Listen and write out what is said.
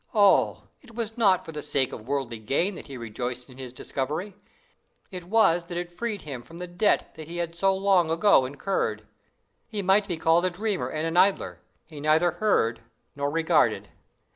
O! it was not for the sake of worldly gain that he rejoiced in his discovery. It was that it freed him from the debt that he had long ago incurred. He might be called a dreamer and an idler: he neither heard nor regarded.